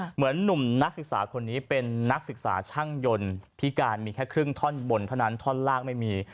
หนุ่มนักศึกษาคนนี้เป็นนักศึกษาช่างยนต์พิการมีแค่ครึ่งท่อนบนเท่านั้นท่อนล่างไม่มี